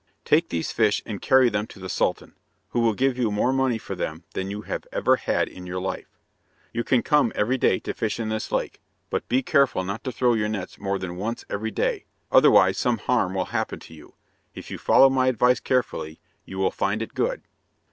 "Take these fish and carry them to the Sultan, who will give you more money for them than you have ever had in your life. You can come every day to fish in this lake, but be careful not to throw your nets more than once every day, otherwise some harm will happen to you. If you follow my advice carefully you will find it good."